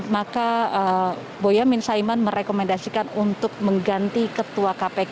maka boyamin saiman merekomendasikan untuk mengganti ketua kpk